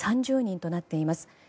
３０人となっています。